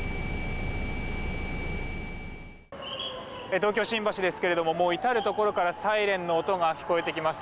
東京・新橋ですけれども至るところからサイレンの音が聞こえてきます。